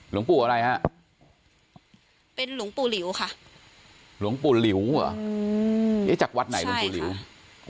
หลวงปู่อะไรฮะเป็นหลวงปู่หลิวค่ะหลวงปู่หลิวเหรออืมเอ๊ะจากวัดไหนหลวงปู่หลิว